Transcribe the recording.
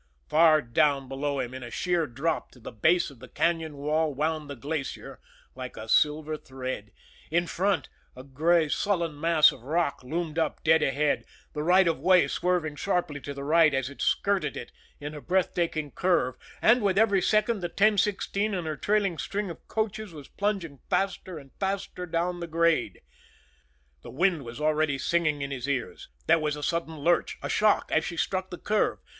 Far down below him in a sheer drop to the base of the cañon wall wound the Glacier like a silver thread; in front, a gray, sullen mass of rock loomed up dead ahead, the right of way swerving sharply to the right as it skirted it in a breath taking curve; and with every second the 1016 and her trailing string of coaches was plunging faster and faster down the grade. The wind was already singing in his ears. There was a sudden lurch, a shock, as she struck the curve.